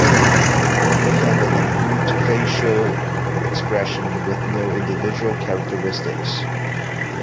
They have an unmoved facial expression with no individual characteristics.